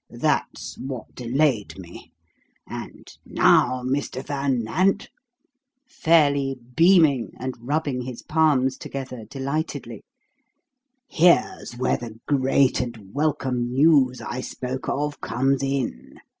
That's what delayed me. And now, Mr. Van Nant" fairly beaming, and rubbing his palms together delightedly "here's where the great and welcome news I spoke of comes in.